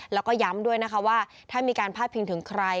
แล้วก็ย้ำด้วยนะคะว่าถ้ามีการพาดพิงถึงใคร